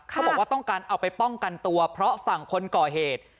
เขาบอกว่าต้องการเอาไปป้องกันตัวเพราะฝั่งคนก่อเหตุ